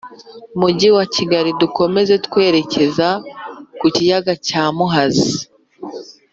Mujyi wa Kigali dukomeza twerekeza ku Kiyaga cya Muhazi.